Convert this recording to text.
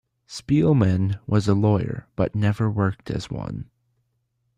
Spielmann was a lawyer but never worked as one.